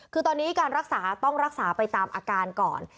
คือตอนนี้การรักษาต้องรักษาไปตามอาการก่อน